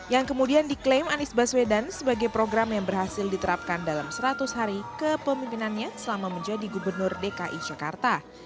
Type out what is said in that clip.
yang kemudian diklaim anies baswedan sebagai program yang berhasil diterapkan dalam seratus hari kepemimpinannya selama menjadi gubernur dki jakarta